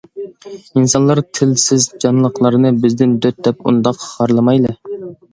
ئىنسانلار تىلسىز جانلىقلارنى بىزدىن دۆت دەپ ئۇنداق خارلىمايلى!